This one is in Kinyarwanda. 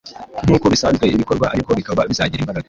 nkuko bisanzwe bikorwa ariko bikaba bizagira imbaraga